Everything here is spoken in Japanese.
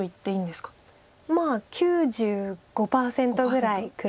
まあ９５％ぐらい黒地です。